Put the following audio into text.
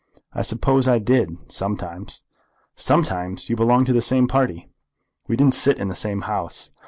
"I suppose I did, sometimes." "Sometimes? You belonged to the same party?" "We didn't sit in the same House."